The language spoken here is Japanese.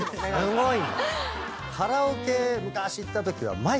すごい。